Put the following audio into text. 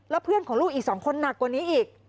แล้วเพื่อนของลูกอีก๒คนหนักกว่านี้อีก